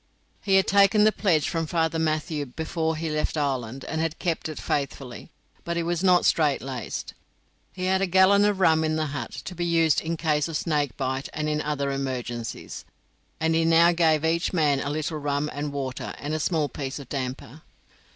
He had taken the pledge from Father Mathew before he left Ireland, and had kept it faithfully; but he was not strait laced. He had a gallon of rum in the hut, to be used in case of snake bite and in other emergencies, and he now gave each man a little rum and water, and a small piece of damper.